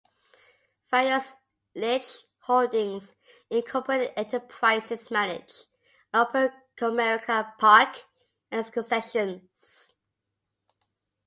Various Ilitch Holdings, Incorporated enterprises manage and operate Comerica Park and its concessions.